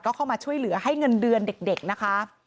เข้ามาช่วยเหลือให้เงินเดือนเด็กนะคะ